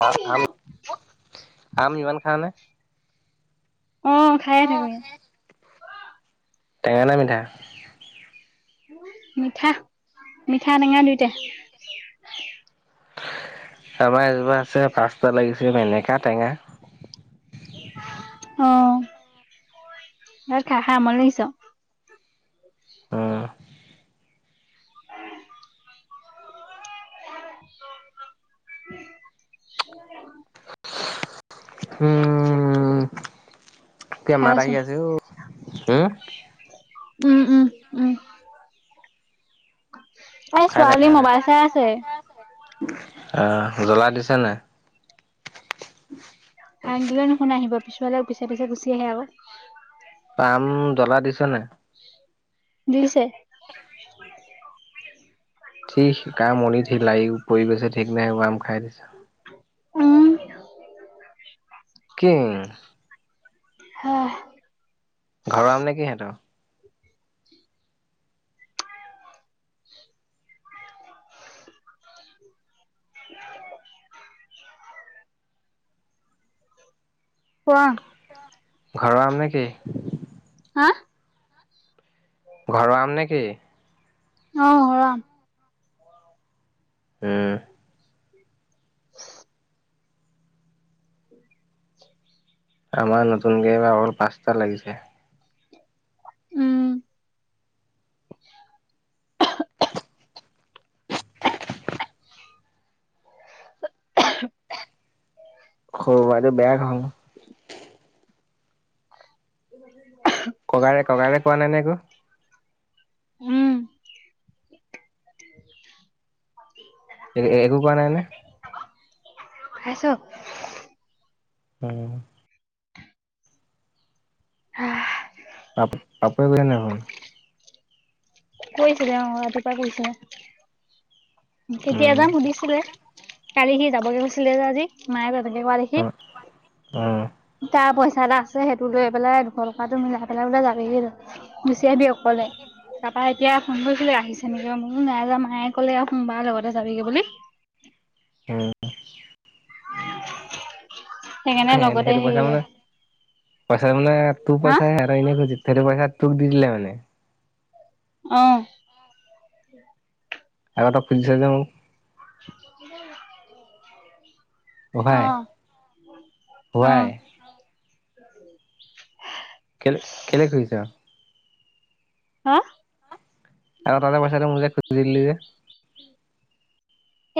[unintelligible] আম ইমান খালানে? অ' খায়ে থাকোঁ ইয়াত। টেঙা না মিঠা? মিঠা। মিঠা-টেঙা দুইটাই। আমাৰ এজোপা আছে। পাঁচটা লাগিছে। এনেকা টেঙা। অ'। আৰু খাই - খাই আমনি লাগিছেও। অ'। উম উ [inaudible] উম। এয়া খাই মাত আছো আহি আছে অ'। হম? উম - উম - উম। এই খাই থাক ছোৱালী খাই থাক মোবাইল চাই আছে। অ' জ্বলা দিছে নে? হাক দিলে নুশুনে, আহিব পিছফালে। পিছে - পিছে গুচি আহে আৰু। টান জ্বলা দিছে নে? দিছে। ঠিক কাৰ মলি লাগি পৰি গৈছে ঠিক নাই হোৱা আম খাই দিছোঁ উম কি উম হা ঘৰ আম নেকি হেতৰ কোৱা ঘৰৰ আম নেকি হা ঘৰ আম নেকি অহ অহ উম উ [inaudible] আমাৰ নতুনকে এবাৰ অকল পাঁচটা লাগিছে উম সৰ বাইদে বেয়া হ'ল [unintelligible] [inaudible] [inaudible] কবাৰে কবাৰে কোৱা নাই নে একো উম এ একো কোৱা নাই নে? খাইছ উম হা পাপ পাপৈ গৈ নেখন [unintelligible] কৈছিলে অ ৰাতিপা কৈছিলে কেতিয়া উম যাম সুধিছিলে কালি সি যাবগে কৈছিলে আজি নাইযোৱা শনিবাৰ দেখি অ অ তাৰ বৰ এশএটা আছে সেইটো লৈ পেলাই দুশ টকাটো মিলাই পেলাই বোলে যাবি গৈ দি [unintelligible] অকলে তাৰ এতিয়া ফোন কৰিছিলে আহিছে নেকি মই কলো নাই যোৱা মায়ে ক'লে আৰু সোমবাৰে লগতে যাবিগে বুলি উম উ [inaudible] সেইটো পইচা মানে পইচা মানে তোৰ হা পইচা সেয়াত আহি খুজি [unintelligible] সেটো পইচা তোক দি দিলে মানে অহ আগটক পিন চে যে মোক [unintelligible] [unintelligible] [inaudible] সোৱাই অ', সোৱাই উ [inaudible] কেলে কেলে খুজিছ হা আৰু তাতে কৈ মজে খু দিলি যে উ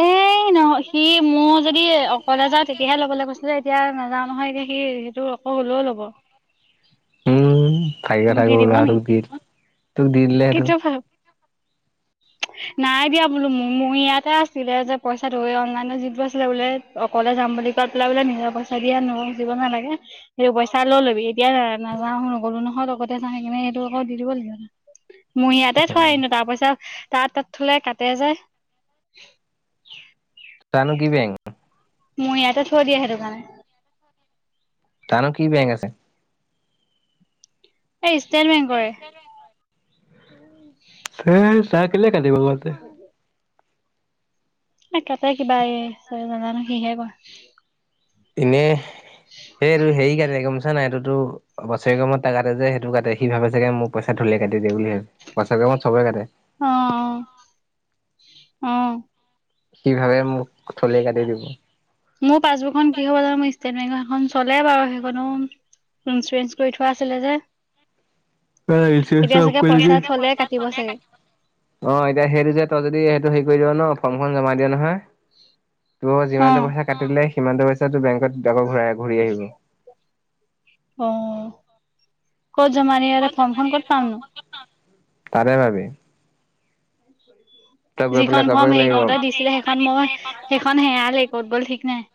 এ নহ সি মোৰ যদি অকলে যাওঁ তেতিয়াহে ল'বলৈ কৈছিলে এতিয়া নাযাও নহয় এতিয়া সি সেইটো অক লৈ ল'ব অ থাৰিয়ে মোক দি থাকো দিব নি লৱাতোক দি তোক দি দিলে সেটো কিন্তু নাই দিয়া বোলো মোৰ ইয়াতে আছিলে যে পইচা ধৰি অনলাইনত যিটো আছিলে বোলে অকলে যাম বুলি কোৱাত পেলাই বোলে নিজৰ পইচা দিয়ে আনো মোক দিব নালাগে সেইটো পইচা লৈ ল'বি এতিয়া নাযাও অকলেনো লগতে চা সেই কিনে সেইটো আকৌ দি দিব লাগিব মোৰ ইয়াতে থয় এনিও তাৰ পইচা তাত থোলাই কাটে যে তা নো কি বেংক মই ইয়াতে থৈ দিয়া সেইটো কাৰণে তানো কি বেংক আছে এই ষ্টেট বেংকৰে এই চাই কেলে কাতিব ভৱানতে ন তাতে কিবা এই চাৰে জানা নাই স হে গ এনে সেই সেৰিকাৰণে গম পইচা নাই এইটোতো বছেয়েকৰ মোৰত কাটে যে সেইটো কাটে সি ভাবে চাগে মোক পইচা থলেই কাটি দিয়ে বুলি ভাবে বছেৰেকৰ মোৰত চবৰে কাটে অহ অ অহ সি ভাবে মোক ঢলেই কাটি দিব। মোৰ পাছবুকখন কি হ'ল জানো মোৰ ষ্টেট বেংকৰ সেইখন চলে বাৰু সেইখনো ইঞ্চুৰেঞ্চ কৰি থোৱা আছিলে যে অ এতিয়া চাগে সেইটো পইচা থলে কাটিব চাগে যে তই যদি সেইটো হেৰি কৰি দিয় ন ফৰ্মখন জমা দিয়া নহয়। তোৰ অ যিমানটো পইচা কাটিলে সিমান টো পইচা টো বেংকত সেইটো আকৌ ঘূৰাই। ঘূৰি আহিব অ ক'ত জমা দিয়ে ইহতে ফৰ্মখন ক'ত পাম তাতে পাবি তই গৈ পেলাই যিখন ফৰ্ম ক'বগে হেৰি লাগিব কৰওঁতে দিছিলে সেইখন মই সেইখন হেৰালেই ক'ত গ'ল ঠিক নাই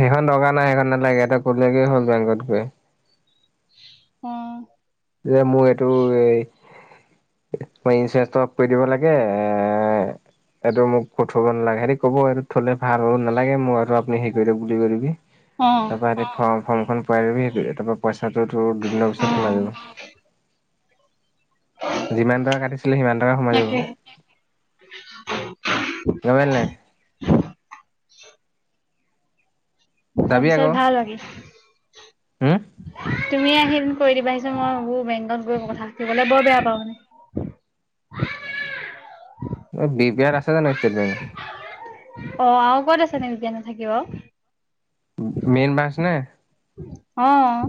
সেইখন দৰকাৰ নাই সেইখন নালাগে এবা কলেগেই হ'ল বেংকত গৈ উম যে মোৰ এইটো এই মই ইঞ্চুৰেঞ্চ কৰি দিব লাগে এ এইটো মোক কটোৱাব নালাগে সেটি ক'ব এইটো থলে ভাল নালাগে মোৰ আৰু সেই কৰিলো বুলি কৈ দিবি। অ অ তাৰপা সেই ফৰ্মখন পোৱাই দিবি সেই তাপা পইচাটো তোৰ দুদিনৰ পিছত সোমাই যাব। যিমান টকা কাটিছিলে সিমান টকা সোমাই যাব। তাকে গম পালি নাই। হয়', [inaudible] তাৰপিছত ভাল লাগে। হম', তুমি আহি কৰি দিবা ভাবিছোঁ মই মোৰ বেংকত গৈ কথা পাতিবলে বৰ বেয়া পাওঁ। অই, বি বি আৰ আছে জানো ষ্টেট বেংক অ', আৰু ক'ত আছে নেকি এনেকে থাকিব। মেইন বাছ নে অহঁ',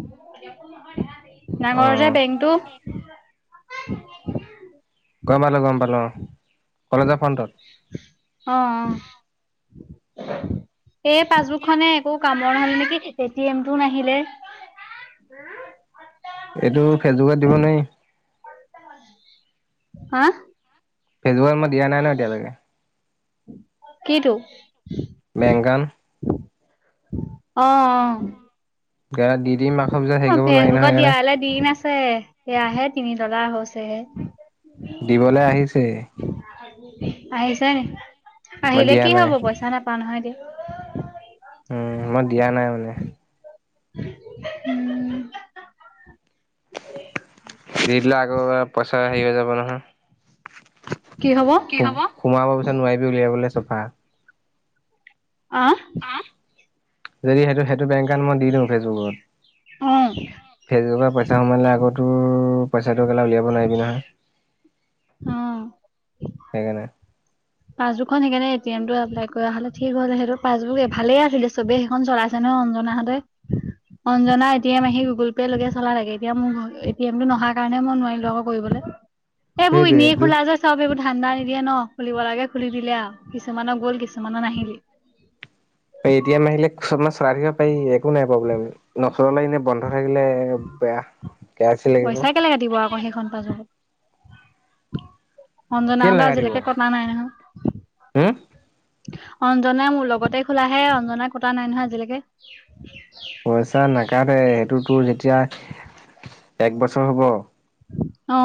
ডাঙৰ যে অ'। বেংটো [unintelligible] গম পালোঁ গম অহঁ কলেজৰ ফ্ৰণ্টত উ [unintelligible] এই পাছবুক খনে একো কাম বন হলে নে কি এটিয়েমটো নাহিলে এইটো ফেচবুকত দিব নোৱাৰি। হাঁ। ফেচবুকত মই দিয়া নাই ন এতিয়ালৈকে কিতোঁ বেংগান অহঁ অহঁ দি দিম আকৌ পিছত অ হেৰি কৰিব নোৱাৰি নহয় ফেচবুকত দিয়া সেইকাৰণে হলে দিন আছে এয়াহে তিনি দলাৰ হৈছেহে। দিবলৈ আহিছে। আহিছে নি? মই আহিলে দিয়া কি নাই হব পইচা নাপাওঁ নহয় দিয় উ [unintelligible] উম মই দিয়া নাই মানে। উম হাহা উম। দে লাখ। ও পইচা হেৰি হৈ যাব নহয়। সোমাব কি হব পিছত নোৱাৰিবি উলিয়াবলৈ চফা। অ অ যদি সেইটো মই দি দি ফেচবুকত অ ফেচবু পইচা সোম আগ মোৰৰ পইচা। [unintelligible] উলিয়াব নোৱাৰিবি নহয় অ হেইকাৰ পাছবুকখন সেইকাৰণে এট এমটো এপ্লাই কৰা হলে ঠিক হৈছে সেইটো পাছবুক ভালেই আছিলে চবেই সেইখন চলাইছে নহয় অঞ্না হঁতে অঞ্জনা এটি এম আহি গুগল পে' লকে চলা লাগে এতিয়া মোৰ এ টি এম টো নহাৰ কাৰণে মই নোৱাৰিলো আকৌ কৰিবলে এইবোৰ সেইটোৱে এনেই তোক খোলা যোয় সব এইবোৰ ধান্দা নিদিয়ে ন। খুলিব লাগে খুলি দিলে আৰু কিছুমানক গ'ল কিছুমানত নাহিলি এতিয়া মাহ আহিলে চব মাছ ৰাইধাকিব পাৰি একো নাই প্ৰব্লেম ন ওচৰ লাগনে বন্ধ থাকিলে বেয়া কে চি লাগিব পইচা কেলে কাটিব আকৌ সেইখন অঞ্জনা কেলে নাকাটিব আজিলৈকে কনা নাই নহয় হম অঞ্জাই মোৰ লগতে খোলা হে অঞ্জনা কটা নাই নহয় আজিলৈকে। পইচা ন ে সেইটো তোৰ যেতিয়া এতিয়া এক বছৰ হ'ব অ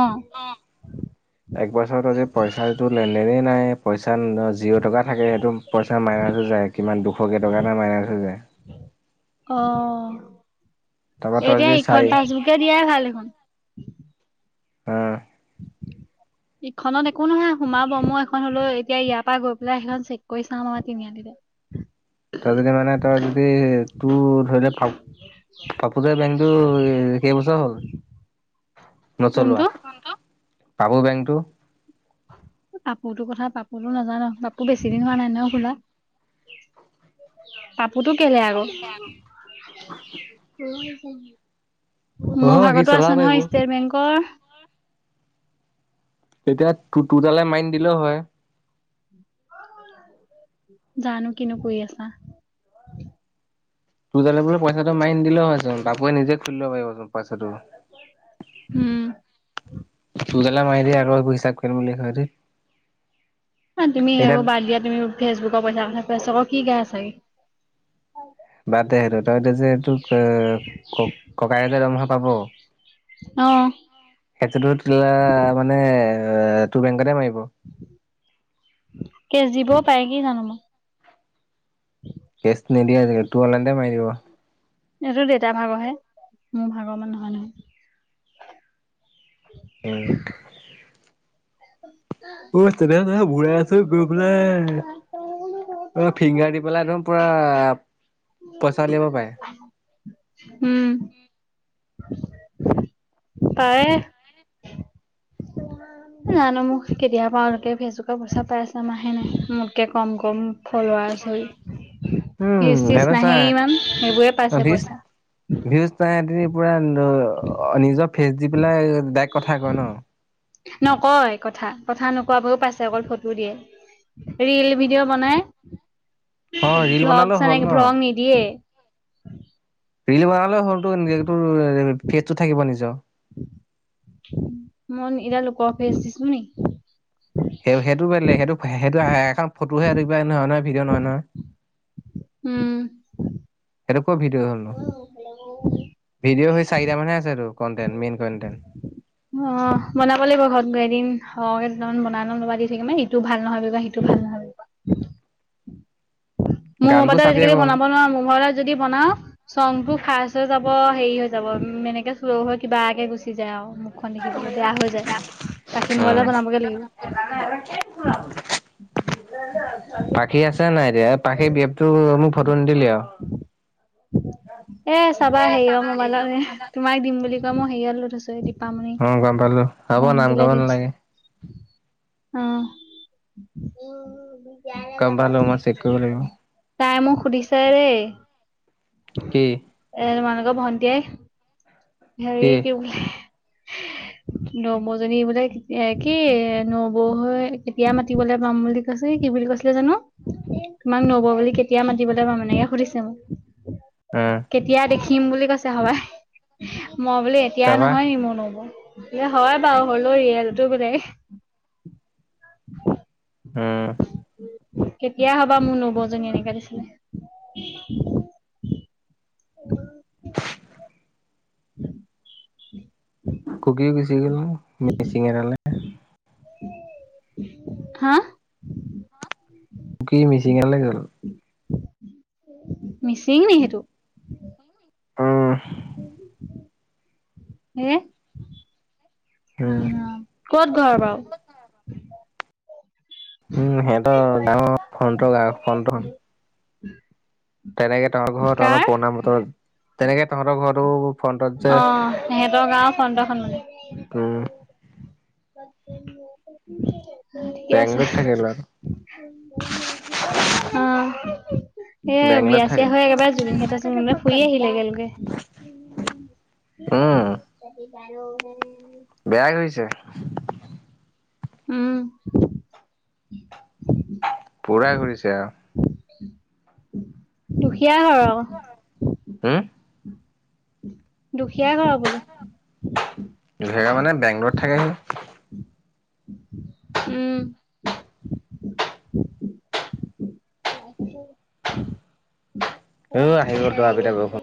একবছৰত আজি পইচাটো লেন দেনে নাই পইচা পইচা জিৰ' টকা থাকে সেইটো পইচা মাইনাছো যায় কিমান দুশকেইটকা এটা মাইনাছ হৈ যায়। অ। তাৰপৰা এ তই দ যদি চাই ইখন পাছবুকে দিয়া ভাল দেখন। উম। উম ইখনত একো নহয় সোমাব ব ম এখন হলেও এতিয়া ইয়াৰ পৰা গৈ পেলাই সেইখন চেক কৰি চাম আমাৰ তিনিআলিলে তই যদি মানে তই যদি তোৰ ধৰি ল প পাপু যে বেংটো সেইবছৰ হল নচলোৱা কোনটো পাব বেংটো পাপু কথা পাপু তো নাজানে পাপু বেছি দিন হোৱা নাই ন খোলা পাপুটো। কেলে আকৌ। হেৰি হৈছে মোৰ অ মোৰ সি ভাগতো আছে চলাব পাৰিব নহয় ষ্টেট বেংকৰ এতিয়া ত তোৰ তালে মাৰি দিলেও হয়। জানো কিনো কৰি আছা তোৰ তালে বোলে পইচাটো মাৰি নিদিলেও হয়চোন বাপুৱে নিজে খুলি লব পাৰিবচোন পইচাটো উম তোৰ তালে মাৰি দিয়ে আকৌ এইবোৰ হিচাপ কৰিব ন হেতি ন তুমি সেইবোৰ বাদ দিয়া তুমি ফেচবুকৰ পইচা কথা পাছত আকৌ কি গা চাই বাদ দে সেইটো তই যে এতিয়া যে এইোক ক ককায়ে যে দৰমহা পায়। পাব। অ সেইটোতো তোলা মানে তোৰ বেংকতে মাৰিব। অ কেজিবও পাৰে কি জানো মোক। কেছ নিদিয়ে আজি তোৰ অনলাইনতে মাৰি দিব। এইটো দেউতাৰ ভাগৰহে মোৰ ভাগৰ মানে নহয় নহয়। উম। অ তেনেহ বুৰাই আছো গৈ পেলাই অ ফিংগাৰ দি পেলাই একদম পুৰা পইচা উলিয়াব পাৰে উম তায়ে জানো মোক কেতিয়া পাওঁ তাকে ফেচবুক পইচা পাই আছে আমাহে নাই মোতকে কম কম ফলৱাছ হল উম হিচ তিজ সিহঁতৰ চা নাহেই ইমান সেইবোৰে পাইছে ভিউজ পইচা। ভিউজ নাই পুৰা নিজৰ ফেচ দি পেলাই ডাইক কথা কয় ন নকয় কথা কথা নোকোৱাবোৰো পাইছে অকল ফটো দিয়ে ৰীল ভিডিঅ' বনাই অ ৰিল বনালেও ব্লগ চা হ'ল না ন ব্লগ নিদিয়ে ৰীল বনালেও হল টো নিজ নিজটো ফেটটো থাকিব নিজৰ মন ইৰা লোক ফেচ আ দিচো নেকি সেই সেইটো বেলেগ সেই সেইটো আহে এখন ফটোহে কিবা নহয় নহয় ভিডিঅ' নহয় নহয় উম সেইটো ক ভিডিঅ' হ'ল নো ভিডিঅ' হে চাৰিটা মানহে আছে আৰু কনটেনট মেইন কনটেনট অ বনাব লাগিব ঘৰত গৈ এদিন সহকে দুটামান বনালেও দি মানে ইটো ভাল নহয় সিটো ভাল নহয় মোৰ গানবোৰ মবাইলত চাবি আজিকালি আকৌ বনাব নোৱাৰো মবাইলত যদি বনাও, চংটো ফাৰ্ষ্চ হৈ যাব হেৰি হৈ যাব উ এনেকে চল হৈ কিবাকে গুচি যায় আৰু মুখখন দেখিবলৈ বেয়া হৈ যায় পাখি উম মলা বনাবগে লাগিব। পাখি আছে নাই এতিয়া ত বি এফ টো এ চাবা হেৰি অ মোবাইলত এ তোমাক দিম বুলি কয় মই হেইয়ে লৈ থৈছে অ গম পালো হব নাম কব নালাগে উম গম পালো মই চেক কৰিব লাগিব তাই মোক সুধিছে ৰে কি তে তোমালোকৰ ভন্টি এ হেৰী কি বোলে নবৌ জনী বোলে কি নবৌ হৈ কেতিয়া মাতিবলে পাম বুলি কৈছে কি বুলি কৈছিলে জানো তোমাক নবৌ বুলি কেতিয়া মাতিবলৈ পাম এনেকে সুধিছে মোক উম কেতিয়া দেখি থিম বুলি কৈছে হবাই উ মই বোলে এতিয়াই তাৰপা নহয় মোৰ নবৌ এ হয় বাৰু হলো ৰিয়েল তো বোলে হম কেতিয়া হবা মোৰ নবৌ জনী এনেকাে দিছিলে উ উম [inaudible] ককিও গৈছে [unintelligible] মিচিঙ এটালে হা কি মিচিঙলে গল? মিচিং নি সেইটো? উম হ উ উম ক'ত ঘৰ বাৰু? উম সিহঁতৰ গাঁৱৰ ফনটৰ ফনটৰ খন টো তেনেকে তাৰ ঘৰ তহতৰ কাৰ পুৰণা বতৰ তেনেকে তহঁতৰ ঘৰতো ফ্ৰণ্টত যে অ', সিহঁতৰ গাও ফন্তখনমমান উম উম', বেংলোট থাকে ল। উম। স বেংগলত বিয়া থাকে। চিয়া হৈ একেবাৰে জুবিন [unintelligible] ফুৰি আহিলে একেলকে। উম', [inaudible] বেয়া [inaudible] উম', পূৰাই ঘূৰিছে আ। দুখীয়া ঘৰ। হম', দুখীয়াই ঘৰৰ বোলো। কেটামাননে বেংগলৰত থাকে। উম', উ', আহি গল দবাপিটা বৰষূণ।